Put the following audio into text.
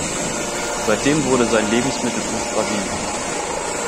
Seitdem wurde sein Lebensmittelpunkt Brasilien.